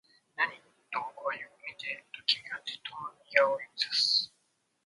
何？と僕は言う。見て、と君は鉄塔の右側を指差す